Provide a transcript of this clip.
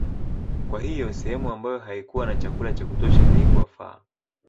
Kwa hiyo sehemu ambayo haikuwa na chakula cha kutosha haikuwafaa